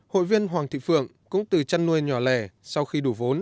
hội viên hoàng thị phượng cũng từ chăn nuôi nhỏ lẻ sau khi đủ vốn